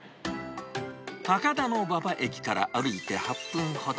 高田馬場駅から歩いて８分ほど。